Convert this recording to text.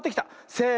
せの。